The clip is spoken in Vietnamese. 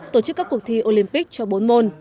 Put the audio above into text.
tổ chức các cuộc thi olympic cho bốn môn